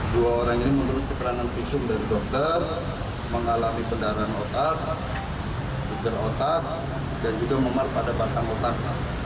dua orang ini menurut keperanan visum dari dokter mengalami pedaran otak gegar otak dan juga memal pada batang otak